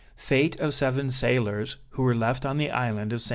FATE OF SEVEN SAILORS, WHO WERE LEFT ON THE ISLAND OF ST.